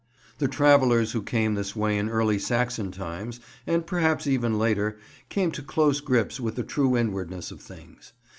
The travellers who came this way in early Saxon times, and perhaps even later, came to close grips with the true inwardness of things.